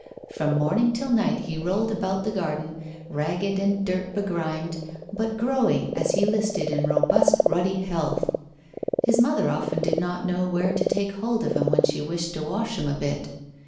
From morning till night he rolled about the garden, ragged and dirt begrimed, but growing as he listed in robust ruddy health. His mother often did not know where to take hold of him when she wished to wash him a bit.